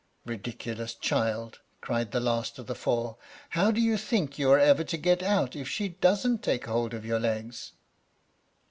"Ridiculous child!" cried the last of the four, "how do you think you are ever to get out, if she doesn't take hold of your legs?"